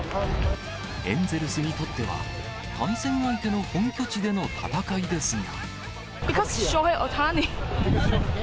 エンゼルスにとっては、対戦相手の本拠地での戦いですが。